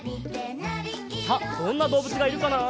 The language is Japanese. さあどんなどうぶつがいるかな？